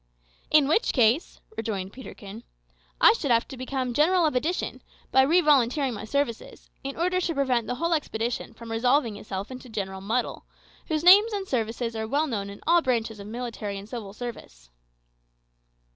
"In which case," rejoined Peterkin, "I should have to become general of addition, by revolunteering my services, in order to prevent the whole expedition from resolving itself into General Muddle, whose name and services are well known in all branches of military and civil service."